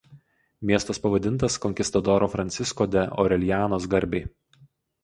Miestas pavadintas konkistadoro Fransisko de Oreljanos garbei.